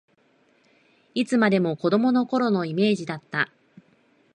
いつまでも子どもの頃のイメージだった